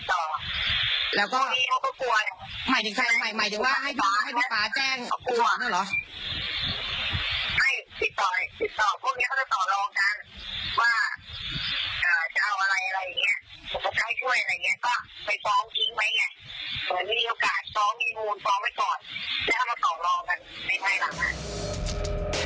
แต่ถ้าเราต้องรอกันไม่ใช่หลัง